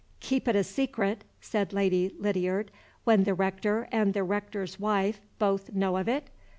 "Keep it a secret," said Lady Lydiard, "when the Rector and the Rector's wife both know of it!